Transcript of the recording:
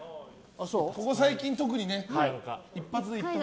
ここ最近、特にね。